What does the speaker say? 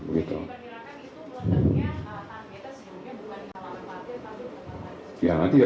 jadi pernyataan itu meledaknya anggota sejumlahnya bukan di halaman parkir